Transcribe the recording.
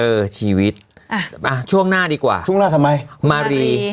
เออชีวิตอ่ะอ่ะช่วงหน้าดีกว่าช่วงหน้าทำไมมารีอ๋อ